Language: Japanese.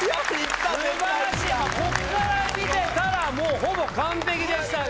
こっから見てたらもうほぼ完璧でしたが。